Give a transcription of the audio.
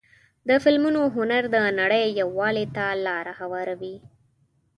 د فلمونو هنر د نړۍ یووالي ته لاره هواروي.